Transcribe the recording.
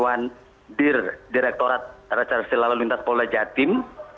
dari ketua direkturat raja resilal lintas pola jatim